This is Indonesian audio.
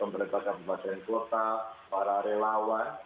pemerintah kabupaten kota para relawan